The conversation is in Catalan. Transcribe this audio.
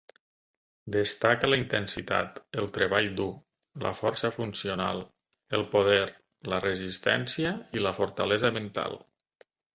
Destaca la intensitat, el treball dur, la força funcional, el poder, la resistència i la fortalesa mental.